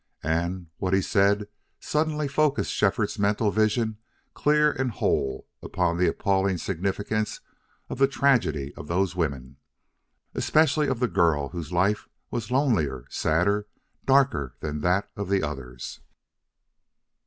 And what he said suddenly focused Shefford's mental vision clear and whole upon the appalling significance of the tragedy of those women, especially of the girl whose life was lonelier, sadder, darker than that of the others.